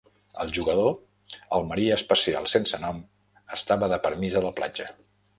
El jugador, el marí espacial sense nom, estava de permís a la platja.